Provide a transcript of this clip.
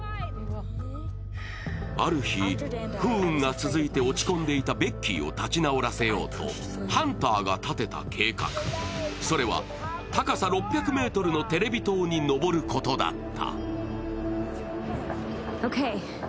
ある日、不運が続いて落ち込んでいたベッキーを立ち直らせようとハンターが立てた計画それは高さ６００ｍのテレビ塔に上ることだった。